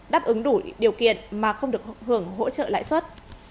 đáp ứng đủ điều kiện mà không được hưởng hỗ trợ lãi suất